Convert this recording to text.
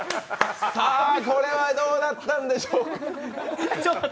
さあ、これはどうだったんでしょう？